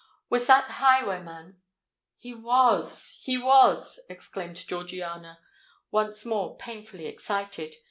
"Was that highwayman——" "He was—he was!" exclaimed Georgiana, once more painfully excited.